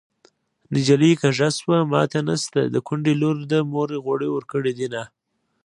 نجلۍ کږه شوه ماته نشته د کونډې لور ده مور غوړي ورکړې دينه